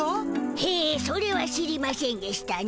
へえそれは知りましぇんでしたな。